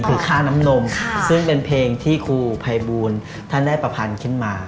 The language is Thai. คือค่าน้ำนมซึ่งเป็นเพลงที่ครูภัยบูลท่านได้ประพันธ์ขึ้นมา